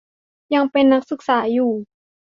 ยังเป็นนักศึกษาอยู่